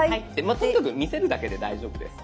とにかく見せるだけで大丈夫です。